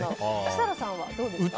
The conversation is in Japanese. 設楽さんはどうですか？